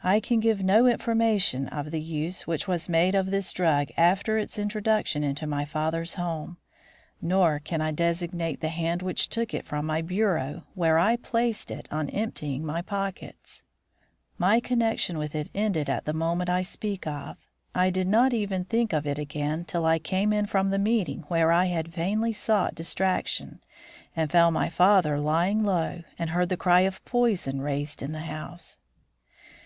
"I can give no information of the use which was made of this drug after its introduction into my father's home, nor can I designate the hand which took it from my bureau where I placed it on emptying my pockets. My connection with it ended at the moment I speak of. I did not even think of it again till I came in from the meeting where I had vainly sought distraction, and found my father lying low and heard the cry of poison raised in the house."